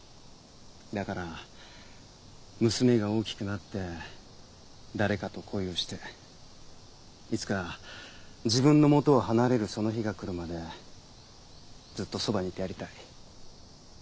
「だから娘が大きくなって誰かと恋をしていつか自分の元を離れるその日が来るまでずっとそばにいてやりたい」。